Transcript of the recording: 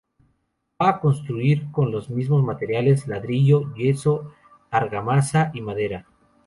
Va a construir con los mismos materiales: ladrillo, yeso, argamasa y madera.